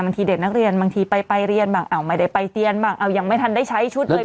ทีเด็กนักเรียนบางทีไปเรียนบ้างไม่ได้ไปเตียนบ้างเอายังไม่ทันได้ใช้ชุดเลย